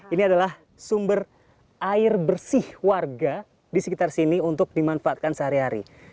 ini adalah sumber air bersih warga di sekitar sini untuk dimanfaatkan sehari hari